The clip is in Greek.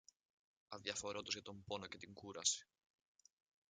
αδιαφορώντας για τον πόνο και την κούραση.